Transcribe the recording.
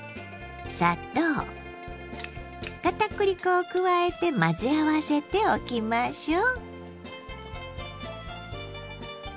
を加えて混ぜ合わせておきましょう。